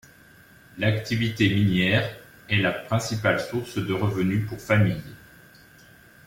L’activité minière est la principale source de revenus pour familles.